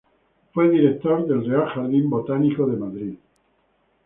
Fue director del Real Jardín Botánico de Madrid.